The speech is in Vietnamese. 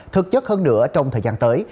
thực chất hơn nữa trong thời gian tới